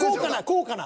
「高価な」